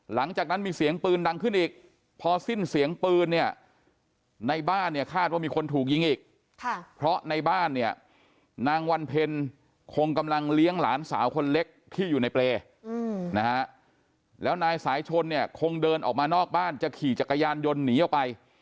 หลังจากนั้นมีเสียงปืนดังขึ้นอีกพอสิ้นเสียงปืนเนี่ยในบ้านเนี่ยคาดว่ามีคนถูกยิงอีกเพราะในบ้านเนี่ยนางวันเพ็ญคงกำลังเลี้ยงหลานสาวคนเล็กที่อยู่ในเปรย์นะฮะแล้วนายสายชนเนี่ยคงเดินออกมานอกบ้านจะขี่จักรยานยนต์หนีออกไป